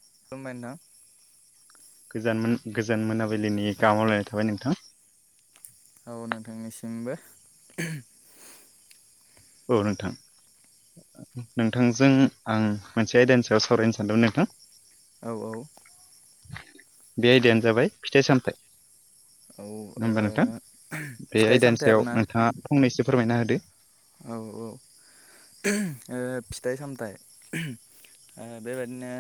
[inaudible] गोजानमोन गोजान मोनाबिलिनि गाहाम हामलायनाय थाबाय नोंथां औ नोंथांनिसिमबो औ नोंथां नोंथांजों आं मोनसे आयदानि सायाव सावरायनो सानदोंमोन नोंथां। औ औ बे आयदायानो जाबाय फिथाइ सामथाइ औ होनबा नोंथां ओ बे फिथाइ आयदानि सामथाइ सायाव आरोना नोंथाङा फंनैसो फोरमायना होदो औ औ ओ फिथाइ सामथाइ बेबायादिनो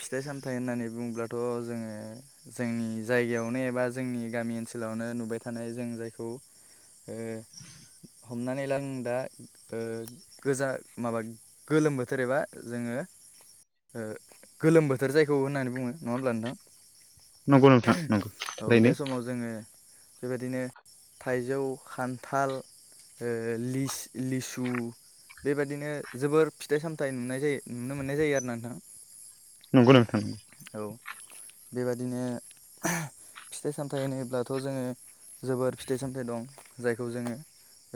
फिथाइ सामथाइ होननानै बुङोब्लाथ' जोङो जोंनि जायगायावनो एबा जोंनि गामि ओनसो लावनो नुबाय थानाय जों जायखौ ओ हमनानै ला जों दा गोजा माबा गोलोम बोथोर एबा जोङो गोलोम बोथोर जायखौ होननानै बुङो नङा होमब्ला नोंथां नंगौ नोंथां नंगौ औ बे ओरैनो समाव जोङो बेबायदिनो थाइजौ खान्थाल लिस लिसु बेबायादिनो जोबोर फिथाइ सामथायाइ नुनाय जायो नुनो मोननाय जायो आरोना नोंथां। नंगौ नोंथां नंगौ। औ बेबादिनो फिथाइ सामथाइ होनोब्लाथ' जोङो जोबोर फिथाइ सामथाइ दं जायखौ जोङो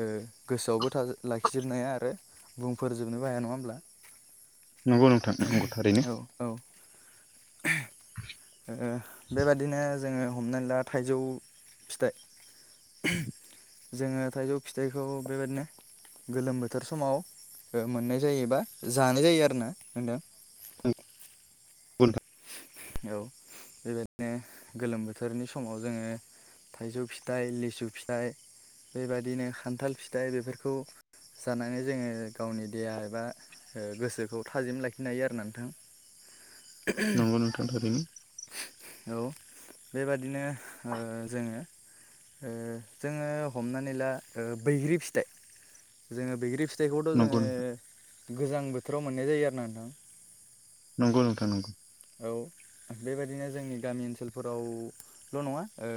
ओ गोसोआवबो लाखिजोबनो हा आरो बुंफोरजोबनोबो हाया नङा होमब्ला। नंगौ नोंथां नंगौ थारैनो। औ ओ बेबादिनो जोङो हमनानै ला थाइजौ फिथाइ जोङो थाइजौ फिथाइखौ बेबायदिनो गोलोम बोथोर समाव मोननाय जायो बा जानाय जायो आरोना होनदों। आ [unintelligible] औ बेबायदिनो गोलोम बोथोरनि समाव जोङो थाइजौ फिथाइ लिसु फिथाइ बेबादिनो खान्थाल फिथाइ बेफोरखौ जानानै जोङो गावनि देहा एबा गोसोखौ थाजिम लाखिनो हायो आरो ना नोंथां। नंगौ नोंथां। दानि औ बेबादिनो जोङो जोङो हमनानै ला बैग्रि फिथाइ जोङो बैग्रि फिथाइ फिथाइखौथ' नंगौ जोङो गोजां बोथोराव मोननाय जायो आरोना नोंथां। नंगौ नोंथां नंगौ। औ बेबायाददिनो जोंनि गामि ओनसोलफोरावल' नङा ओ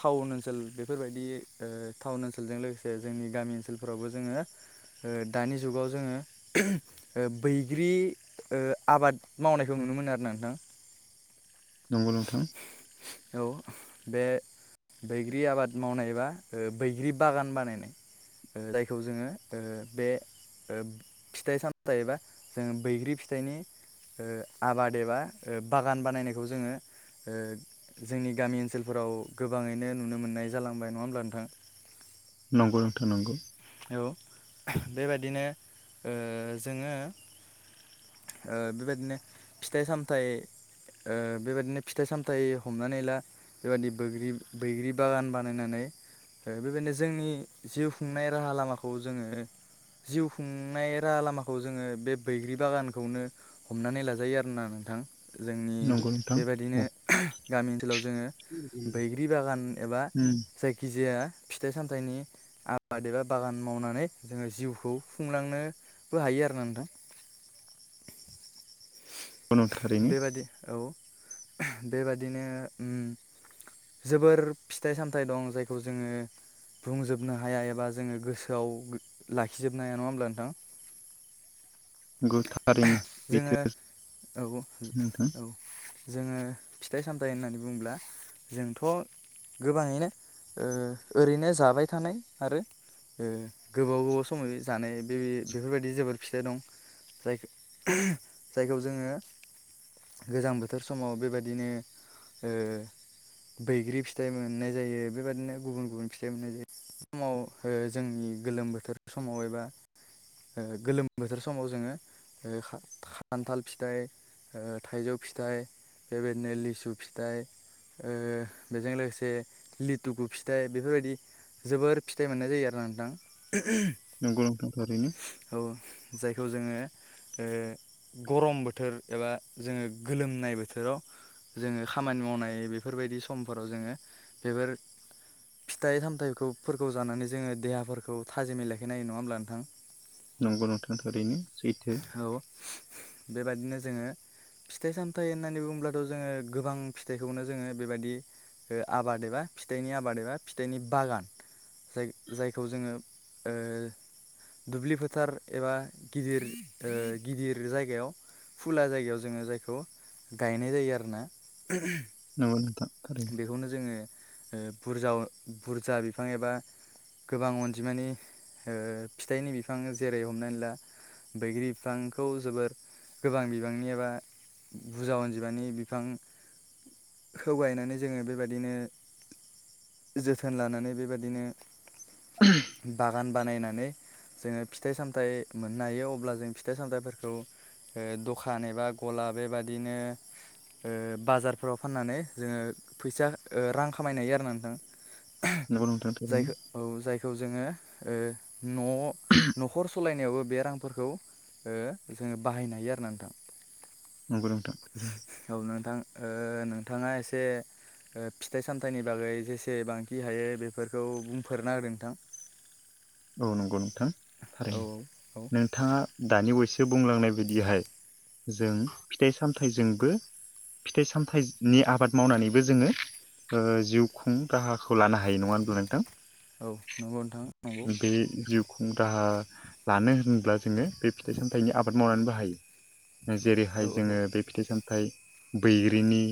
टाउन ओनसोल बेफोरबायदि टाउन ओनसोलजों लोगोसे जोंनि गामि ओनसोलफोरावबो जोङो दानि जुगाव जोङो बैग्रि आबादफददड मावनायखौ नुनो मोनो आरो ना नोंथां। नंगौ नोंथां। औ बे बैग्रि आबाद मावनाय एबा बैग्रि बागान बानायनाय। जायखौ जोङो ओ बे फिथाइ सामथायाइबा जोङो बैग्रि फिथाइनि आबाद एबा बागान बानायनायखौ जोङो जोंनि गामि ओनसोलफोराव गोबाङैनो नुनो मोननाय जालांबाय नङा होमब्ला नोंथां। नंगौ नोंथा नंगौ। औ बेबायदिनो ओ जोङो ओ बेबायदिनो फिथाइ सामथाइ ओ बेबायदिनो फिथाइ सामथाय हमनानै ला बेबायादि बग्रि बैग्रि बागान बानायनानै बेबायदिनो जोंनि जिउ खुंनाय राहा लामाखौ जोङो जिउ खुंनाय राहा लामाखौ जोङो बे बैग्रि बागानखौनो हमनानै लाजायो आरोना नोंथां। जोंनि नंगौ नोंथां बेबायाददिनो औ गामि ओनसोलाव जोङो बैग्रि बागान एबा नंगौ जायखिजाया फिथाइ सामथाइनि आबाद बादेबा बागान मावनानै जोङो जिउखौ खुंलांनोबो हायो आरो ना नोंथां। [inaudible] नोंथां थारैनो बेबादि औ बेबादिनो जोबोर फिथाइ सामथाइ दं जायखौ जोङो बुंजोबनो हाया एबा जोङो गोसोआव लाखिजोबनो हाया नङा होमब्ला नोंथां। [inaudible] नंगौ थारैनो जोङो सैथो औ नोंथां औ जोङो फिथाइ सामथाइ होननानै बुङोब्ला जोंथ' गोबाङैनो ओरैनो जाबाय थानाय आरो गोबाव गोबाव समै जानाय बे बेफोर बायदि जोबोर फिथाइ दं जाय जायखौ जोङो गोजां बोथोर समाव बे बायदिनो बैग्रि फिथाइ मोननाय जायो बेबादिनो गुबुन गुबुन फिथाइ मोननाय जायो। समाव जोंनि गोलोम बोथोर समाव एबा गोलोम बोथोर समाव जोङो ओइ खा खान्थाल फिथाइ थाइजौ फिथाइ बे बायदिनो लिसु फिथाइ ओ बेजों लोगोसे लिथुकु फिथाइ बेफोर बायदि जोबोर फिथाइ मोननाय जायो आरो नोंथां। नंगौ नोंथां थारैनो औ जायखौ जोङो ओ गरम बोथोर एबा जोङो गोलोमनाय बोथोराव जोङो खामानि मावनाय बेफोर बायदि समफोराव जोङो बेफोर फिथाइ सामथाइफोरखौ जानानै जोङो देहाफोरखौ थाजिमै लाायखायनायो नङा होमब्ला नोंथां? नंगौ नोंथां थारैनो सैथो। बे बायदिनो जोङो फिथाइ सामथाइ होननानै बुङोबथ' जोङो गोबां फिथाइखौनो जोङो बे बायदि ओ आबाद एबा फिथाइनि आबाद एबा फिथाइनि बागान। जाय जायखौ जोङो ओ दुब्लि फोथार एबा गिदिर गिदिर जायगायाव फुला जायगायाव जोङो जायखौ गायनाय जायो आरोना। नंगौ नोंथां। थारैनो बेखौनो जोङो ओ बुरजा बुरजा बिफां एबा गोबां अनजिमानि ओ फिथाइनि बिफां जेरै हमनानै ला बैग्रि बिफांखौ जोबोर गोबां बिबांनि एबा बुरजा अनजिमानि बिफां खौ गायनानै जोङो बेबायदिनो जोथोन लानानै बेबायदिनो बागान बानायनानै जोङो फिथाइ सामथाइ मोननो हायो अब्ला जों फिथाइ सामथाइफोरखौ ओ दखान एबा गला बेबादिनो ओ बाजारफोराव फाननानै जोङो फैसा रां खामायनो हायो आरोना नोंथां। नंगौ नोंथां थारैनो जायखौ औ जायखौ जोङो ओ न' न'खर सालायनायावबो बे रांफोरखौ ओ जोङो बाहायनो हायो आरोना नोंथां। नंगौ नोंथां थारैनो औ नोंथां ओ नोंथाङा एसे ओ फिथाइ सामथाइनि बागै जेसेबांखि हायो बेफोरखौ बुंफोरनाहोदो नोंथां। औ नंगौ नोंथां नोंथां औ थारनो औ औ नोंथाङा दानि बयसो बुंलांनाय बायदिहाय जों फिथाइ सामथाइजोंबो फिथाइ सामथाइनि आबाद मावनानैबो जोङो जिउखुं राहा खौ लानो हायो नङा होनब्ला नोंथां औ नंगौ नोंथां नंगौ बे जिउ खुं राहा लानो होनब्ला जोङो बे फिथाइ सामथाइनि आबाद मावनानैबो हायो। औ जेरैहाय जोङो बे फिथाइ सामथायाइ बैग्रिनि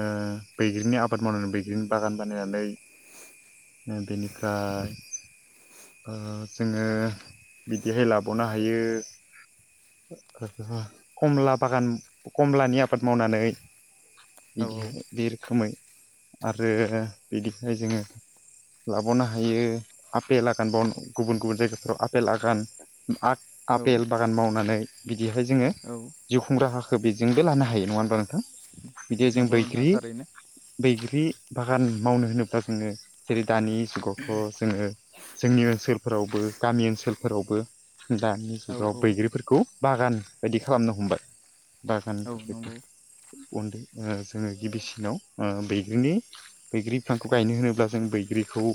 ओ बैग्रिनि आबाद मावनानै बैग्रिनि बागान बानायनानै बेनिफ्राय ओ जोङो बिदिहाय लाबावनो हायो कमला बागान कमलानि आबाद मावनानै औ औ बिदिहाय बे रोखोमै आरो बिनिफ्राय जोङो लाबावनो हायो आपेल आगान बाव गुबुन गुबुन जायगाफोराव आपेल आगान आ औ आपेल बागान मावनानै। बेहाय जोङो औ जिउ खुंग्रा हाखो बेजोंबो लानो हायो नङा होनबा नों थां बिदि जों नंगौ नोंथां बैग्रि थारैनो बै ग्रि बागान मावनो होनोब्ला जोङो जेरै दानि जुगावथ' जोङो जोंनि ओनसोलफोरावबो गामि ओनसोलफोरावबो दानि औ जुगाव औ बैग्रिफोरखौ बागान बायदि खालामनो हमबाय औ बागानफोरबायदि। नंगौ उन्दै ओ जोङो गिबिसिनाव ओ बैग्रिनि बैग्रि बिफांखौ गायनो होनोब्ला जों बै ग्रिखौ ओ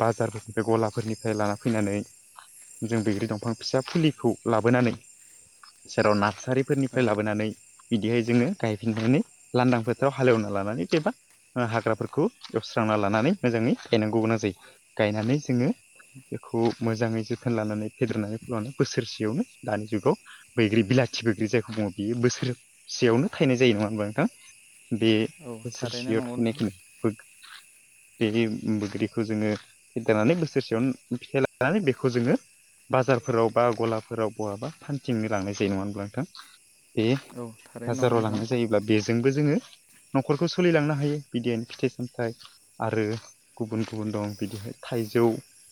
बाजारफोरनिफ्राय गलाफोरनिफ्राय लाना फैनानै- जों बैग्रि दंफां फिसा फुलिखौ लाबोनानै! जेराव औ नातसारिफोरनिफ्राय लाबोनानै! बिदिहाय जोङो गायफिननानै लानदां फोथाराव हालेवना लानानै एबा- ओ हाग्राफोरखौ एवस्रांना लानानै मोजाङै गायनांगौ गोनां जायो। गायनानै जोङो बेखौ मोजाङै जोथोन लानानै फेदेरनानैखौ लानो बोसोरसेयावनो दानि जुगाव बैग्रि बिलाथि बैग्रि जायखौ दङ, बियो बोसोरसेयावनो थायनाय जायो नङा होनबा नोंथां? बे औ थारैनो बोसोरसेयाव नंगौ नोंथां थायनायखौनो बेदि बोग्रिखौ जोङो फेदेरनानै बोसोरसेयावनो फिथाइ लानानै बेखौ जोङो बाजारफोराव बा गलाफोराव बहाबा फान्थिंनो लांनाय जायो नङा होनब्ला नोंथां? बे औ थारैनो नंगौ बाजाराव नोंथां लांनाय जायोब्ला बेजोंबो जोङो! न'खरखौ सोलिलांनो हायो बिदिन फिथाइ-सामथायाइ आरो गुबुन-गुबुन दं बिदिहाय। थाइजौ,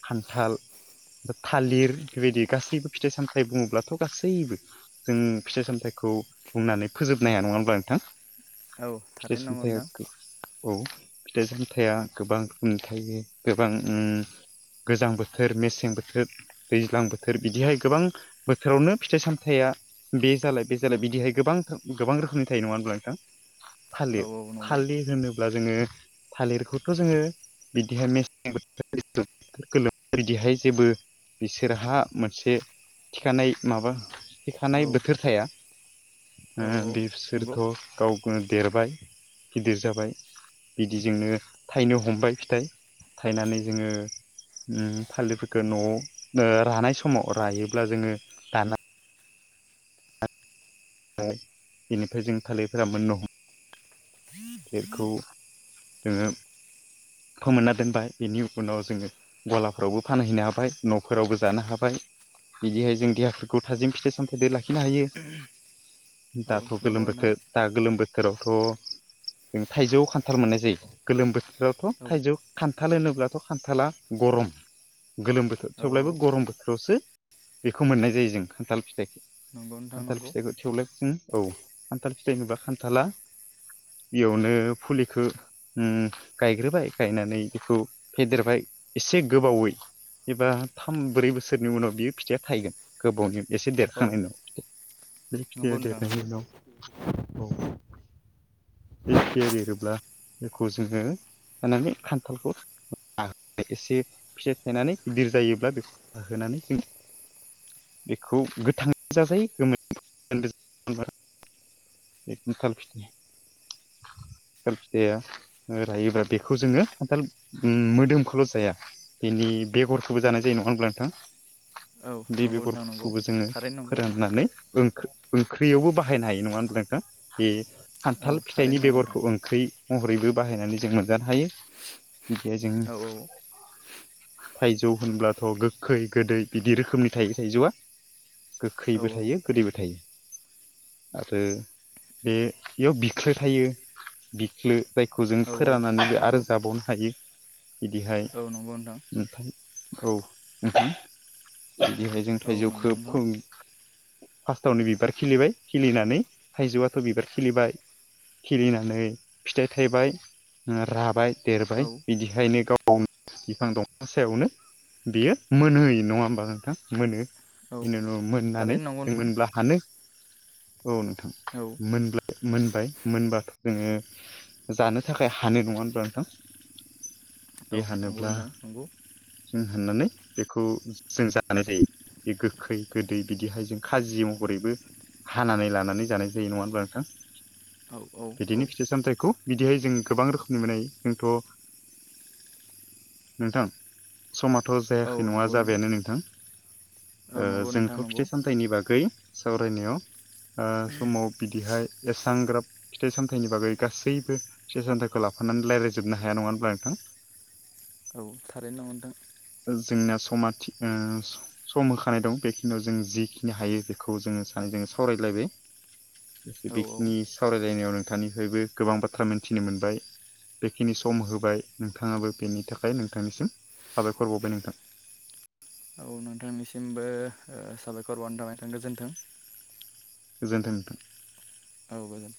खान्थाल। था-थालिर बेबायदि गासैबो फिथाइ-सामथायाइ बुङोब्लाथ' गासैबो जों फिथाइ-सामथायखौ खौ बुंनानै फोजोबनो हाया नङा होनब्ला नोंथां? औ थारैनो नंगौ फिथाइ-सामथाइ आ नोंथां गो औ फिथाइ-सामथाया गोबां रोखोमनि थायो गोबां उम गोजां बोथोर मेसें बोथोर दैज्लां बोथोर बिदिहाय गोबां बोथोरावनो फिथाइ-सामथाइ। बेया बे जालाय बे जालाय बिदिहाय गोबां खोम गोबां रोखोमनि थायो नङा होनब्ला नोंथां? औ थालिर औ नंगौ थालिर होनोब्ला जोङो थालिरखौथ' जोङो बिदिहाय मे गोम बोथो जिथु गोलोम बिदिहाय जेबो बिसोरहा मोनसे। थिखानाय माबा औ थिखानाय बोथोर थाया। औ ओ बिसोरथ' नंगौ गावबो देरबाय गिदिर जाबाय। बिदिजोंनो थाइनो हमबाय फिथाइ थायनानै जोङो उम फाललिफोरखौ न'आव ओ रानाय समाव रायोब्ला जोङो दाना। फाइ बेनिफ्राय जों थालिरफोरा मोननो हम फिरखौ जोङो फोमोनना दोनबाय बेनि उनाव जोङो गलाफोरावबो फानहैनो हाबाय न'फोरावबो जानो हाबाय। बिदिहाय जों देहाफोरखौ थाजिम फिथाइ-सामथाइदो लाखि खिनो हायो औ दाथ' नंगौ गोलोम नोंथां बोथोर दा गोलोम बोथोरावथ'! जों थाइजौ खान्थाल मोननाय जायो गोलोम बोथोरावथ' औ थाइजौ खान्थाल होनोब्ला! थ' खान्थाला गरम, गोलोम बोथोर औ थेवब्लबो गरम बोथोरावसो बेखौ मोननाय जायो जों खान्थाल फिथाइखौ, नंगौ नोंथां खान्थाल नंगौ फिथाइखौ थेवलाय जों औ खान्थाल फिथाइ नुबा खान्थाला, बेयावनो फुलिखो उम गायग्रोबाय गायनानै बेखौ फेदेरबायस, एसे गोबावै एबा थाम ब्रै बोसोरनि उनाव बियो फिथाइया थागोन, गोबावनि एसे औ देरखानायनि उनाव। बे फिथाया नंगौ नोंथां देरनायनि नंगौ उनाव औ। बे फिथाया देरोब्ला बेखौ जोङो खानानै खान्थालखौ- आ एसे फिथाइ थायनानै गिदिर जायोब्ला बेखौ खाहोनानै जों बेखौ गोथाङै जाजायो गोमोन बो खोन्दो आंहा बे खान्थाल फिथाइ खाल फिथाया रायोब्लाा बेखौ जोङो खान्थाल मोदोमखौल' जाया बेनि बेगरखौबो जानाय जायो नङा होमब्ला नोंथां औ बे नंगौ नोंथां नंगौ बेगरफोरखौबो जोङो थारैनो नंगौ फोराननानै ओंखो ओंख्रियावबो बाहायनो हायो नङा होनब्ला नोंथां बे औ खान्थाल फिथाइनि थारैनो नंगौ नोंथां बेगरखौ ओंख्रि महरैबो बाहायनानै जों मोनजानो हायो बिदि जों औ थाइजौ होनब्लाथ' गोखै गोदै बिदि रोखोमनि थायो थाइजौआ औ गोखैबो थायो गोदैबो थायो आरो बे बेयाव बिख्लो थायो बिख्लो जायखौ जों औ औ फोराननानैबो आरो नंगौ जाबावनो हायो बिदिहाय औ नंगौ नोंथां औ नोथां बिदिहाय जों औ थाइजौखो नंगौ नोंथां फोम फास्स्टावनो बिबार खिलिबाय खिलिनानै थाइजौआथ बिबार खिलिबाय खिलिनानै फिथाइ थायबाय राबाय देरबाय औ बिदिहायनो गाव गावनो बिफां दंफां सायावनो बेयो मोनहोयो नङा होमबा नोंथां औ मोनो मोननानै थारैनो नंगौ जों नोंथां मोनब्ला हानो औ नोंथां औ मोन मोनबाय मोनबाथ जोङो जानो थाखाय हानाय नङा होनब्ला नोंथां? औ बे नंगौ हानोब्ला नोंथां नंगौ जों हाननानै बेखौ जों जानाय जायो बे गोखै गोदै बिदिहाय जों खाजि महरैबो हानानै लानानै जानाय जायो नङा होनबा नोंथां? औ औ बिदिनो औ फिथाइ सामथायाइखौ बिदिहाय जों गोबां रोखोमनि मोनाय जोंथ नोंथां समथ औ जायाखै नङा नंगौ जाबायानो नोंथां औ ओ नंगौ जोंथ नोंथां नंगौ फिथाइ सामथाइनि बागै सावरायनायाव ओ समाव बिदिहाय एसांग्राब फिथाइ सामथाइनि बागै गासैबो फिथाइ सामथाइखौ लाफानानै रायज्लायजोब जोबनो हाया नङा होनब्ला नोंथां? औ थारैनो नंगौ नोंथां जोंना समा समा थिखा सम‌ होखानाय दं बेखिनियाव जों जिखिनि हायो बेखौ जोङो सानै जों सावरायलायबाय औ औ बेखिनि सावरायलायनायाव नोंथांनिफ्रायबो गोबां बाथ्रा मिथिनो मोनबाय बेखिनि सम होबाय औ नोंथांनिसिमबो ओ साबायखर बावनो थाखबाय नोंथां गोजोन्थों गोजोन्थों नोंथां औ गोजोन्थों